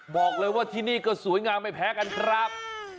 บอกเลยว่าที่นี่ก็สวยงามไม่แพ้กันครับ